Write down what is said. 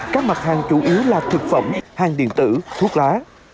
các mặt hàng chủ yếu là thực phẩm hàng điện tử thuốc lá